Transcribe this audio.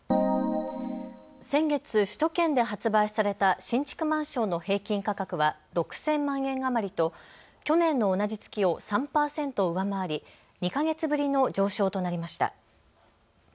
先月、首都圏で発売された新築マンションの平均価格は６０００万円余りと去年の同じ月を３％上回り２か月ぶりの上昇となりました。